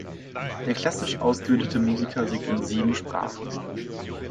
Der klassisch ausgebildete Musiker singt in sieben Sprachen.